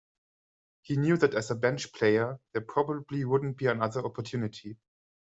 He knew that as a bench player, there probably wouldn't be another opportunity.